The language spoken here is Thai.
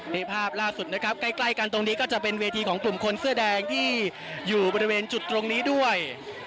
นี่ภาพล่าสุดนะครับใกล้กันตรงนี้ก็จะเป็นเวทีของกลุ่มคนเสื้อแดงที่อยู่บริเวณจุดตรงนี้ด้วย